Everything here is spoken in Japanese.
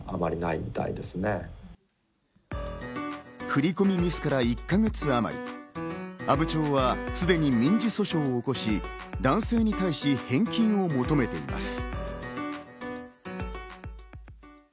振り込みミスから１か月あまり、阿武町はすでに民事訴訟を起こし、男性に対し返金を求めています。